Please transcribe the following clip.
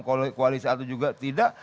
koalisi atau juga tidak